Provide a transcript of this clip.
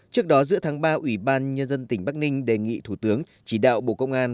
trước đó giữa tháng ba ủy ban nhân dân tỉnh bắc ninh đề nghị thủ tướng chỉ đạo bộ công an